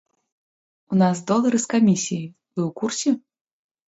У нас долары з камісіяй, вы ў курсе?